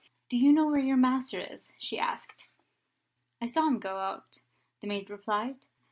"Do you know where your master is?" she asked. "I saw him go out," the maid replied.